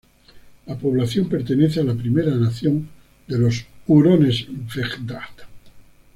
La población pertenece a la primera nación de los "hurones-wendat".